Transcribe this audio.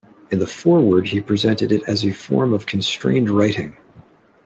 In the foreword he presented it as a form of constrained writing.